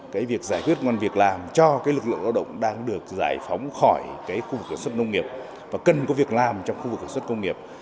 cái việc giải quyết ngoan việc làm cho cái lực lượng lao động đang được giải phóng khỏi cái khu vực sản xuất nông nghiệp và cần có việc làm trong khu vực sản xuất công nghiệp